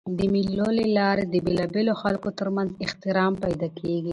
د مېلو له لاري د بېلابېلو خلکو تر منځ احترام پیدا کېږي.